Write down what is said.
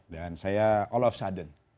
dan saya all of sudden